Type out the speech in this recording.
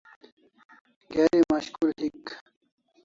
Geri mashkul hik